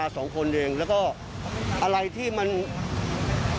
โหเพี่น้องอะ